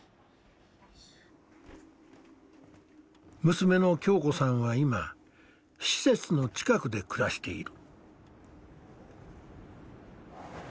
娘の恭子さんは今施設の近くで暮らしている。